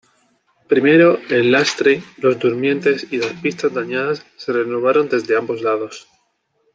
Primero, el lastre, los durmientes y las pistas dañadas se renovaron desde ambos lados.